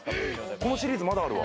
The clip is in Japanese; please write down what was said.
このシリーズ、まだあるわ。